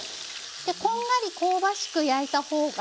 でこんがり香ばしく焼いた方がおいしい。